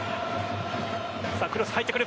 さあ、クロス入ってくる。